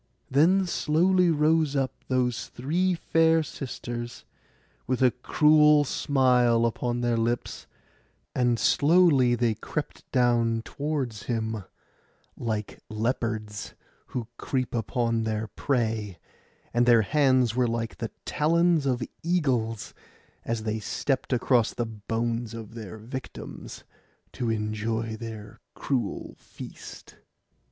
Then slowly rose up those three fair sisters, with a cruel smile upon their lips; and slowly they crept down towards him, like leopards who creep upon their prey; and their hands were like the talons of eagles as they stept across the bones of their victims to enjoy their cruel feast.